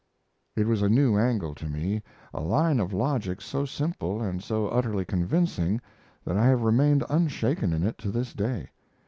It was a new angle to me a line of logic so simple and so utterly convincing that I have remained unshaken in it to this day.